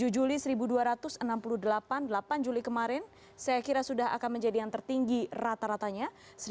tujuh juli seribu dua ratus enam puluh delapan delapan juli kemarin saya kira sudah akan menjadi yang tertinggi rata ratanya